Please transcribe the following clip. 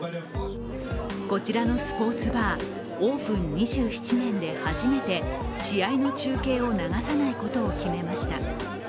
こちらのスポーツバー、オープン２７年で初めて試合の中継を流さないことを決めました。